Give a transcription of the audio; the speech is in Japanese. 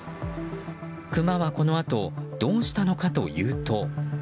クマは、このあとどうしたのかというと。